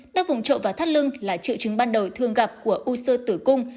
đau vùng trộn và thắt lưng là trự trứng ban đầu thường gặp của u sơ tử cung